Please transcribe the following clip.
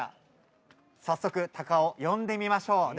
早速タカを呼んでみましょう。